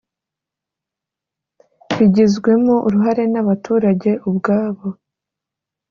bigizwemo uruhare n’abaturage ubwabo